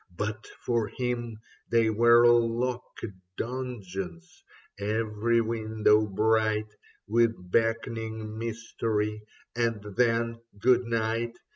But for him They were locked donjons, every window bright With beckoning mystery ; and then. Good Night